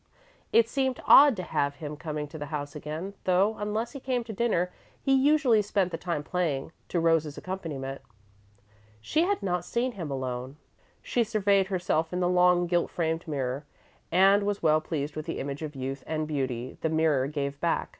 It seemed odd to have him coming to the house again, though, unless he came to dinner, he usually spent the time playing, to Rose's accompaniment. She had not seen him alone. She surveyed herself in the long, gilt framed mirror, and was well pleased with the image of youth and beauty the mirror gave back.